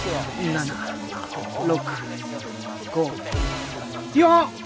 ７６５４！